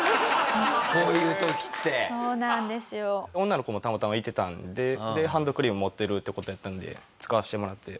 女の子もたまたまいてたんででハンドクリーム持ってるって事やったんで使わせてもらって。